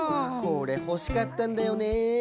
これほしかったんだよね。